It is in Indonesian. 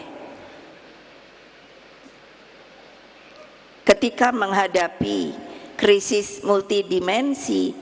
hai ketika menghadapi krisis multi dimensi